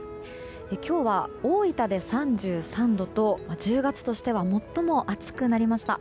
今日は、大分で３３度と１０月としては最も暑くなりました。